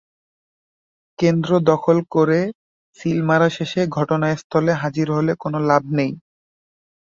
কেন্দ্র দখল করে সিল মারা শেষে ঘটনাস্থলে হাজির হলে কোনো লাভ নেই।